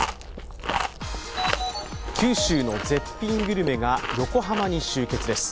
九州の絶品グルメが横浜に集結です。